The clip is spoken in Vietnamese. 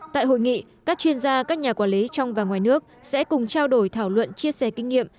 tại hội nghị các chuyên gia các nhà quản lý trong và ngoài nước sẽ cùng trao đổi thảo luận chia sẻ kinh nghiệm